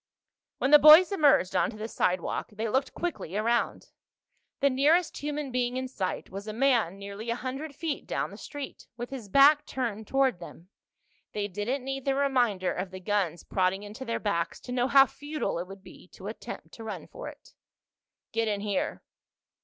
When the boys emerged onto the sidewalk they looked quickly around. The nearest human being in sight was a man nearly a hundred feet down the street, with his back turned toward them. They didn't need the reminder of the guns prodding into their backs to know how futile it would be to attempt to run for it. "Get in here."